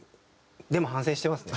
でも反省してますね。